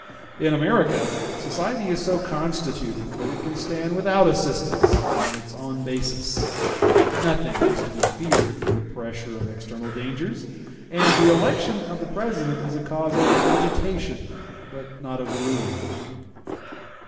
In America society is so constituted that it can stand without assistance upon its own basis; nothing is to be feared from the pressure of external dangers, and the election of the President is a cause of agitation, but not of ruin.